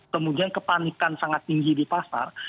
kemudian kepanikan sangat tinggi di pasar